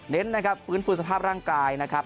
เน้นฟื้นฟูสภาพร่างกายนะครับ